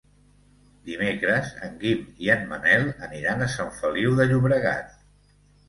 Dimecres en Guim i en Manel aniran a Sant Feliu de Llobregat.